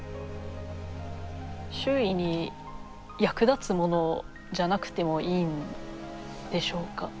周囲に役立つものじゃなくてもいいんでしょうか。